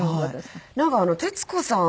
なんか徹子さん